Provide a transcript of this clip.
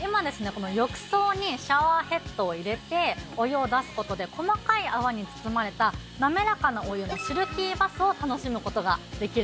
この浴槽にシャワーヘッドを入れてお湯を出す事で細かい泡に包まれた滑らかなお湯のシルキーバスを楽しむ事ができるんです。